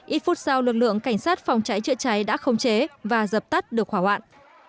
ít phút sau lực lượng cảnh sát phòng cháy chữa cháy đã khống chế và dập tắt được hỏa hoạn